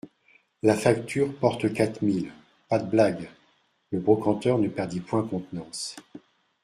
La facture porte quatre mille ; pas de blagues ! Le brocanteur ne perdit point contenance.